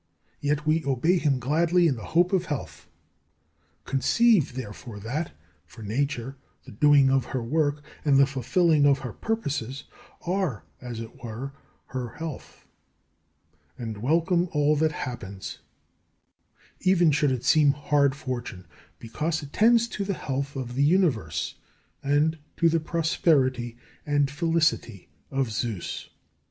Yet we obey him gladly in the hope of health. Conceive therefore that, for Nature, the doing of her work and the fulfilling of her purposes are, as it were, her health; and welcome all that happens, even should it seem hard fortune, because it tends to the health of the Universe, and to the prosperity and felicity of Zeus.